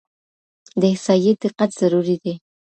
د احصائیې دقت ضروري دی.